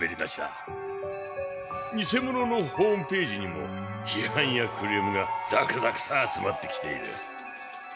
ニセモノのホームページにも批判やクレームが続々と集まってきている。